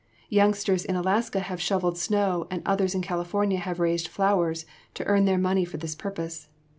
Youngsters in Alaska have shovelled snow and others in California have raised flowers to earn their money for this purpose.